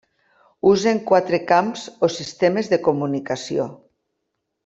Usen quatre camps o sistemes de comunicació.